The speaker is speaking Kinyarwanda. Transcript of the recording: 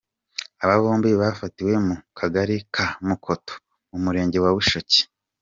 Aba bombi bafatiwe mu Kagari ka Mukoto, mu murenge wa Bushoki.